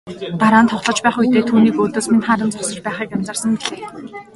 Дараа нь тоглож байх үедээ түүнийг өөдөөс минь харан зогсож байхыг анзаарсан билээ.